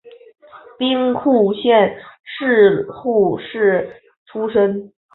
兵库县神户市出身。